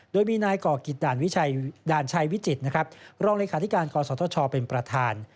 โดยมีนายกกิตดาญชัยวิจิตรรองรคศธชเป็นประธาน